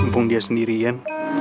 mumpung dia sendiri yan